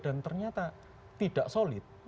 dan ternyata tidak solid